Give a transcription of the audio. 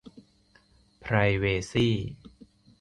ไพรเวซี